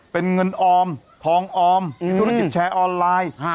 เป็นเงินออมทองออมมีธุรกิจแชร์ออนไลน์